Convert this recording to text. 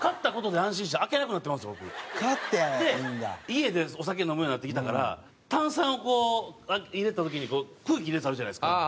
家でお酒飲むようになってきたから炭酸を入れた時に空気入れるやつあるじゃないですか。